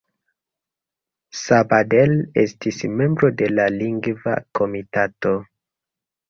Sabadell estis membro de la Lingva Komitato.